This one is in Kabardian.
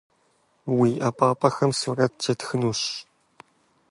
Уи ӏэпапӏэхэм сурэт тетхынущ.